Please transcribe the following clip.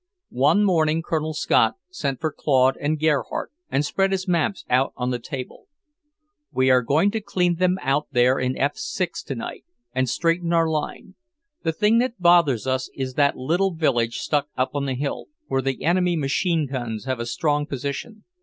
One morning Colonel Scott sent for Claude and Gerhardt and spread his maps out on the table. "We are going to clean them out there in F 6 tonight, and straighten our line. The thing that bothers us is that little village stuck up on the hill, where the enemy machine guns have a strong position.